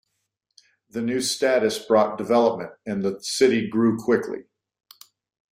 The new status brought development and the city grew quickly.